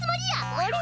あれ？